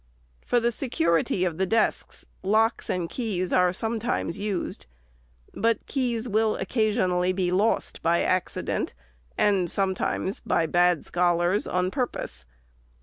For the security of the desks, locks and keys are sometimes used. But the keys will occasionally be lost, by accident ; and sometimes, by bad scholars, on purpose.